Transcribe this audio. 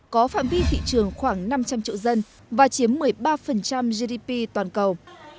có phạm vi thị trường khoảng năm trăm linh triệu dân và chiếm một mươi ba gdp toàn cầu